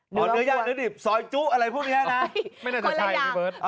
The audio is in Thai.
อ๋อเนื้อย่างเนื้อดิบซอยจุอะไรพวกนี้นะคะ